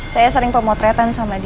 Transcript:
saya sering pemotretan sama dia